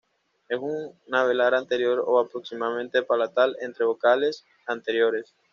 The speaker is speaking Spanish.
Es una velar anterior o aproximante palatal entre vocales anteriores.